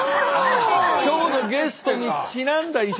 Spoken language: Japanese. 今日のゲストにちなんだ衣装。